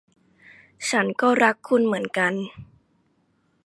ฉันก็รักคุณเหมือนกัน